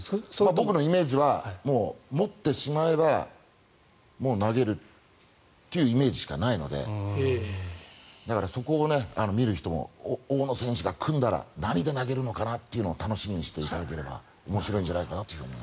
僕のイメージは持ってしまえばもう投げるというイメージしかないのでだから、そこを見る人も大野選手が組んだら何で投げるのかなというのを楽しみにしていただければ面白いんじゃないかなと思います。